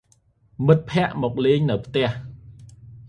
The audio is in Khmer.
មិត្តភក្តិមកលេងនៅផ្ទះ។